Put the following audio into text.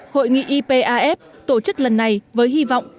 hội nghị ipaf tổ chức lần này với hy vọng